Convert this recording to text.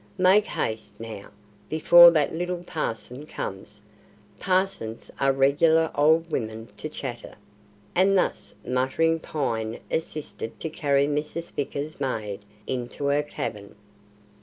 Make haste, now, before that little parson comes. Parsons are regular old women to chatter"; and thus muttering Pine assisted to carry Mrs. Vickers's maid into her cabin.